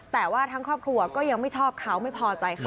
แต่ว่าทั้งครอบครัวก็ยังไม่ชอบเขาไม่พอใจเขา